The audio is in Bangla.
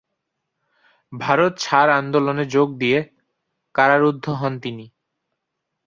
ভারত ছাড় আন্দোলনে যোগ দিয়ে কারারুদ্ধ হন তিনি।